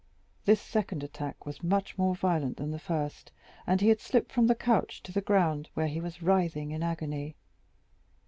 This second attack was much more violent than the first, and he had slipped from the couch to the ground, where he was writhing in agony.